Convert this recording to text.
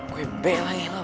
gue b lah ilah